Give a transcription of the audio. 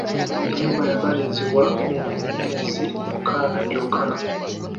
Ennyumba zaamalirizibwa mu myezi mukaaga gyokka.